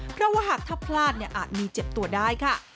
เพราะว่าหากถ้าพลาดอาจมีเจ็บตัวได้ค่ะ